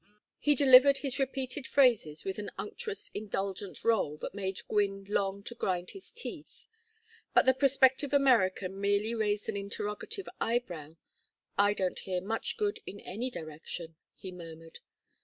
He delivered his repeated phrases with an unctuous indulgent roll that made Gwynne long to grind his teeth. But the prospective American merely raised an interrogative eyebrow. "I don't hear much good in any direction," he murmured.